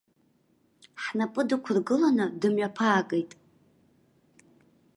Ҳнапы дықәыргыланы дымҩаԥаагеит.